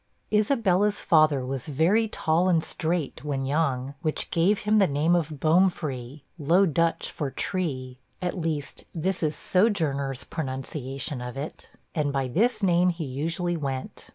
Isabella's father was very tall and straight, when young, which gave him the name of 'Bomefree' low Dutch for tree at least, this is SOJOURNER's pronunciation of it and by this name he usually went.